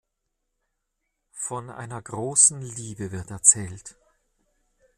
Von einer großen Liebe wird erzählt.